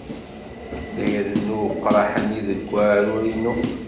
La irennu weqraḥ-nni deg weɛrur-inu.